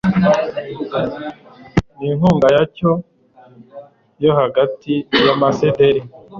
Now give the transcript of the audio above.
n'inkunga yacyo yo hagati y'amasederi